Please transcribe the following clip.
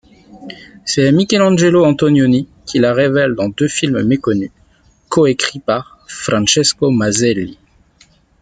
C'est Michelangelo Antonioni qui la révèle dans deux films méconnus, coécrits par Francesco Maselli.